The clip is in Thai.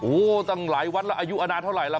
โอ้โหตั้งหลายวัดละอายุอาณาเท่าไหร่ละ